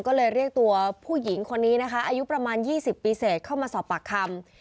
ก็เลยเรียกตัวผู้หญิงคนนี้นะคะอายุประมาณ๒๐ปีเสร็จเข้ามาสอบปากคำ